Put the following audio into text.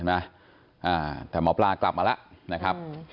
แต่หมอปลากลับมาแล้วนะครับ